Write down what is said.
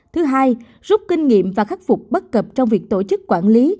thứ hai rút kinh nghiệm và khắc phục bất cập trong việc tổ chức quản lý